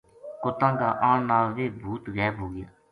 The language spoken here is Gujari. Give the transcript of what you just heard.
کُتاں کا آن نال ویہ بھُوت غیب ہو گیا